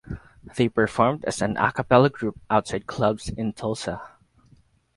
They performed as an a cappella group outside clubs in Tulsa.